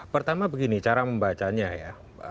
pertama begini cara membacanya ya